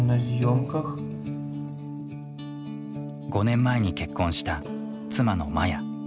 ５年前に結婚した妻のマヤ。